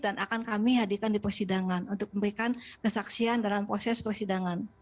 dan akan kami hadirkan di persidangan untuk memberikan kesaksian dalam proses persidangan